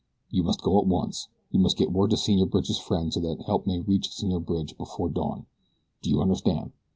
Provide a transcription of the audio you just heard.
You must go at once you must get word to Senor Bridge's friend so that help may reach Senor Bridge before dawn. Do you understand?"